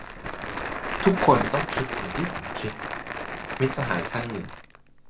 "ทุกคนต้องคิดเหมือนที่ผมคิด" - มิตรสหายท่านหนึ่ง